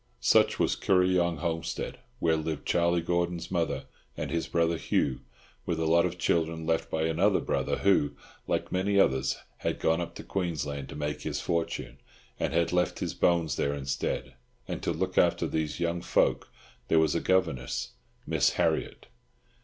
Such was Kuryong homestead, where lived Charlie Gordon's mother and his brother Hugh, with a lot of children left by another brother who, like many others, had gone up to Queensland to make his fortune, and had left his bones there instead; and to look after these young folk there was a governess, Miss Harriott.